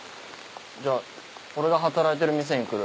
じゃあ俺が働いてる店に来る？